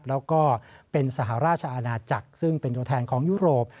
แล้วก็เป็นสหราชอาณาจักรซึ่งเป็นตัวแทนของยุโรป